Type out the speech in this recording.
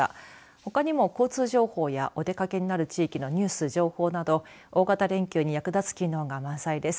ほかにも交通情報やお出かけになる地域のニュース情報など大型連休に役立つ機能が満載です。